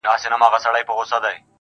گرانه شاعره لږ څه يخ دى كنه~